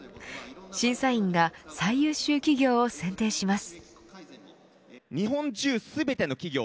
審査員が最優秀企業を選定します。